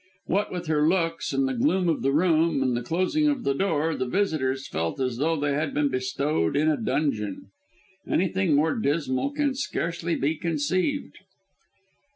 What with her looks and the gloom of the room and the closing of the door, the visitors felt as though they had been bestowed in a dungeon. Anything more dismal can scarcely be conceived.